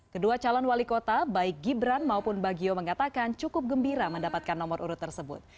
kedua calon wali kota baik gibran maupun bagio mengatakan cukup gembira mendapatkan nomor urut tersebut